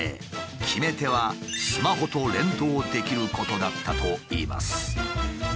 決め手はスマホと連動できることだったといいます。